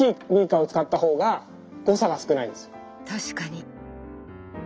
確かに。